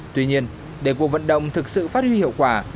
tuy nhiên để cuộc vận động thực sự phát huy hiệu quả